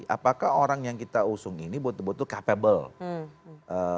apakah orang yang kita usung ini betul betul capable